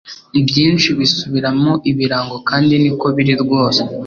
byinshi bisubiramo ibirango kandi niko biri rwose